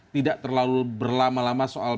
tidak terlalu berlama lama soal